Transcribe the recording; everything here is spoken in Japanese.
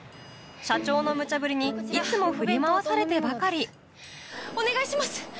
社長のムチャブリにいつも振り回されてばかりお願いします！